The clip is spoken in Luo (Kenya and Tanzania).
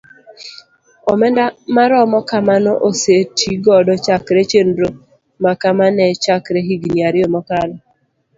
Omenda maromo kamano oseti godo chakre chenro makama ne chakre higni ariyo mokalo.